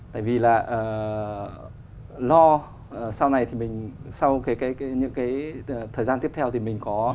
tại vì là lo sau này thì mình sau những cái thời gian tiếp theo thì mình có